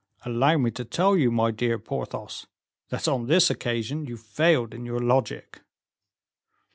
'" "Allow me to tell you, my dear Porthos, that on this occasion you failed in your logic."